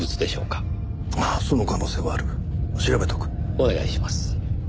お願いします。